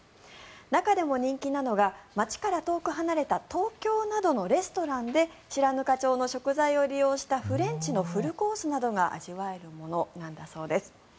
中でも人気なのが町から遠く離れた東京などのレストランで白糠町の食材を利用したフレンチのフルコースが味わえるものなんだそうです。